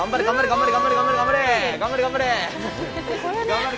頑張れ、頑張れ。